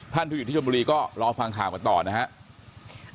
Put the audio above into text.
ท่านธุรกิจชมบุรีก็รอฟังข่าวกันต่อนะครับ